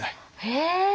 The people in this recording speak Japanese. へえ！